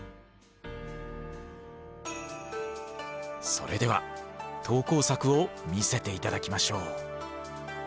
それでは投稿作を見せて頂きましょう。